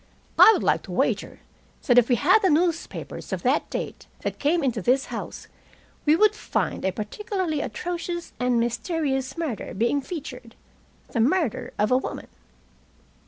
I would like to wager that if we had the newspapers of that date that came into this house, we would find a particularly atrocious and mysterious murder being featured the murder of a woman."